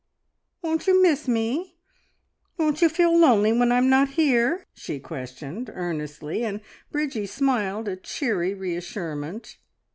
"Won't you miss me? Won't you feel lonely when I'm not here?" she questioned earnestly, and Bridgie smiled a cheery reassurement.